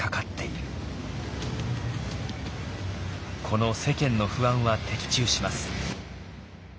この世間の不安は的中します。